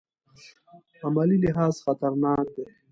عملي لحاظ خطرناک دی.